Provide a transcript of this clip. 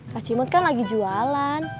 kak cirimot kan lagi jualan